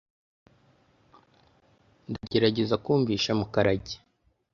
Ndagerageza kumvisha Mukarage .